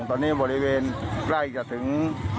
ตอนนี้บริเวณใกล้จะถึง